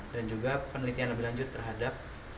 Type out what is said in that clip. dan juga penelitian lebih lanjut terhadap